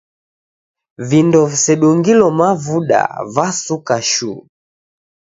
Vindo visedungilo mavuda vasuka shuu.